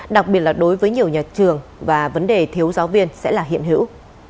đặc biệt là đối với nhiều nhà trường và vấn đề thiếu giáo viên sẽ là hiện hữu